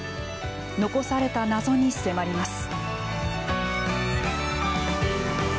残された謎に迫ります。